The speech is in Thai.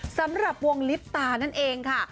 สำหรับวงลิปตานั่นเองค่ะ